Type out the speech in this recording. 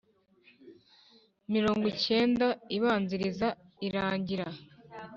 mirongo icyenda ibanziriza irangira